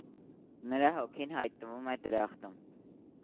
Նրա հոգին հայտնվում է դրախտում։